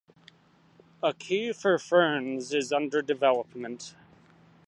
A key for ferns is under development.